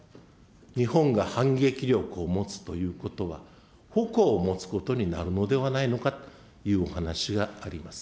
日本が反撃力を持つということは、ほこを持つことになるのではないかというお話があります。